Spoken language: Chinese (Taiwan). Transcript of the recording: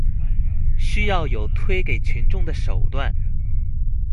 需要有推給群眾的手段